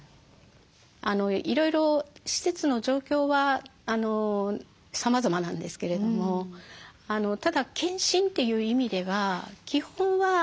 いろいろ施設の状況はさまざまなんですけれどもただ健診という意味では基本はしっかりとした検査が